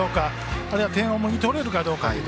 あるいは点をもぎ取れるかという。